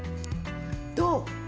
どう？